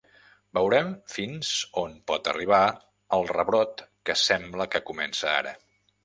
Veurem fins on pot arribar el rebrot que sembla que comença ara.